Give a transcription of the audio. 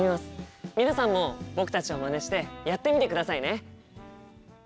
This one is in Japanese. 皆さんも僕たちをまねしてやってみてくださいね。